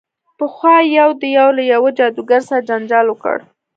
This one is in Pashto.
پخوا یو دیو له یوه جادوګر سره جنجال وکړ.